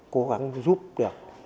cố gắng giúp được